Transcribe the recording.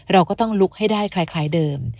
เราก็ต้องลุกให้ได้คล้ายเดิม